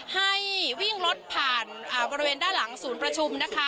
ให้วิ่งรถผ่านบริเวณด้านหลังศูนย์ประชุมนะคะ